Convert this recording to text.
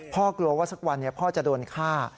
พ่อกลัวว่าสักวันเนี่ยพ่อจะโดนฆ่า